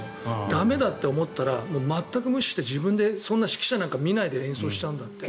駄目だって思ったら全く無視して自分でそんな指揮者なんか見ないで演奏しちゃうんだって。